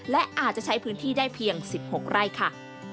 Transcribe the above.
และอาจจะใช้พื้นที่ได้เพียง๑๖ไร่ค่ะ